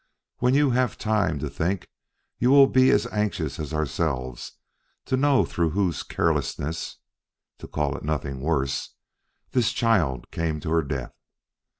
When you have time to think, you will be as anxious as ourselves to know through whose carelessness (to call it nothing worse) this child came to her death.